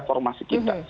dengan nilai reformasi kita